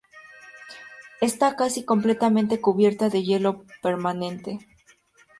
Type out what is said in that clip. Está casi completamente cubierta de hielo permanente.